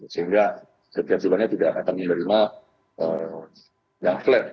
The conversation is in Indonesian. sehingga setiap jumlahnya tidak akan menerima yang flat